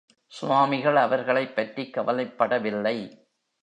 சுவாமிகள், அவர்களைப்பற்றிக் கவலைப்படவில்லை.